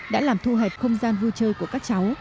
đã làm thu hẹp không gian vui chơi của các cháu